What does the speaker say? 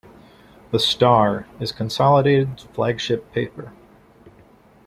The "Star" is Consolidated's flagship paper.